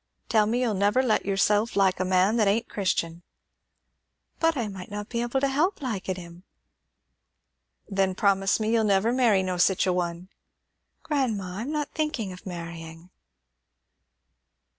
Tell me you'll never let yourself like a man that ain't Christian!" "But I might not be able to help liking him." "Then promise me you'll never marry no sich a one." "Grandma, I'm not thinking of marrying."